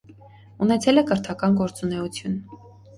Ունեցել է կրթական գործունեություն։